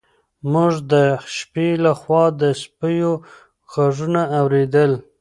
موږ د شپې لخوا د سپیو غږونه اورېدل.